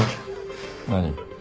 何？